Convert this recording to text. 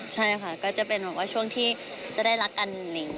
ใช่ค่ะก็จะเป็นแบบว่าช่วงที่จะได้รักกัน